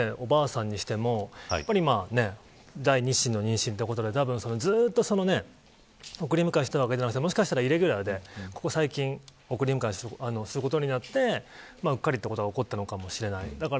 一方で、おばあさんにしても第２子の妊娠ということでずっと送り迎えをしていたわけではなくてもしかしたらイレギュラーでここ最近することになってうっかりということが起こったのかもしれない。